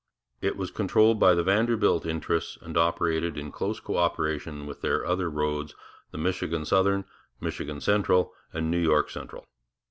It was controlled by the Vanderbilt interests and operated in close co operation with their other roads, the Michigan Southern, Michigan Central, and New York Central.